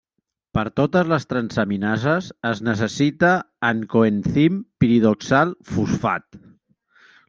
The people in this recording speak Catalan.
Per totes les transaminases es necessita en coenzim piridoxal fosfat.